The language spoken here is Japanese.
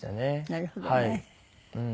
なるほどね。